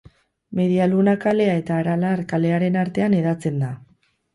Media Luna kalea eta Aralar kalearen artean hedatzen da.